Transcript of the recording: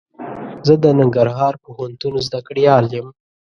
زه د ننګرهار پوهنتون زده کړيال يم.